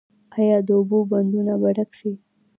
آیا د اوبو بندونه به ډک شي؟